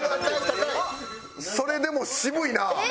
それでも渋いな。